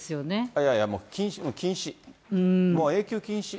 いやいや、もう禁止、もう永久禁止。